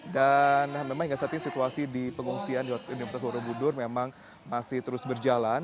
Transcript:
dan memang hingga saat ini situasi di pengungsian universitas borobudur memang masih terus berjalan